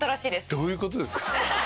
どういう事ですか？